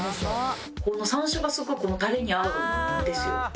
山椒がすごくタレに合うんですよ。